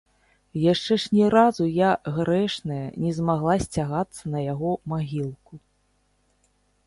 Яшчэ ж ні разу я, грэшная, не змагла сцягацца на яго магілку.